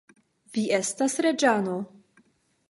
Vi estas reĝano.